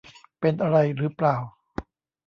เป็นอะไรหรือเปล่า